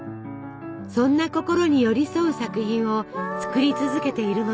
そんな心に寄り添う作品を作り続けているのです。